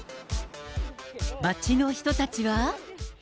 街の人たちは。